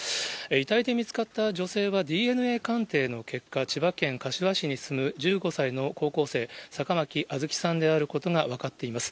遺体で見つかった女性は、ＤＮＡ鑑定の結果、千葉県柏市に住む１５歳の高校生、坂巻杏月さんであることが分かっています。